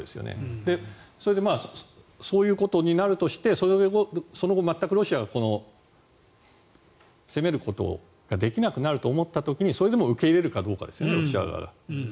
それでそういうことになるとしてその後、全くロシアが攻めることができなくなると思った時にそれでも受け入れるかどうかですよね